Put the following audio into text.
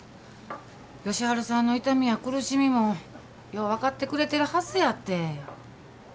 佳晴さんの痛みや苦しみもよう分かってくれてるはずやて。